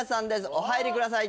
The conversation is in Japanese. お入りください